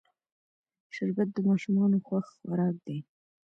شربت د ماشومانو خوښ خوراک دی